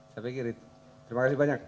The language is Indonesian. saya pikir terima kasih banyak